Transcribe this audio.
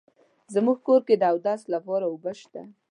زمونږ کور کې د اودس لپاره اوبه شته